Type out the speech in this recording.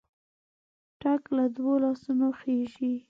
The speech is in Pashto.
ټک له دوو لاسونو خېژي.